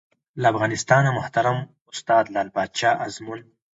له افغانستانه محترم استاد لعل پاچا ازمون